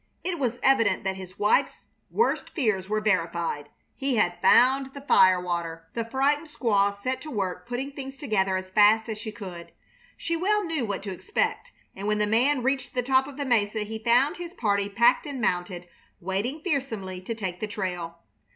It was evident that his wife's worst fears were verified. He had found the firewater. The frightened squaw set to work putting things together as fast as she could. She well knew what to expect, and when the man reached the top of the mesa he found his party packed and mounted, waiting fearsomely to take the trail.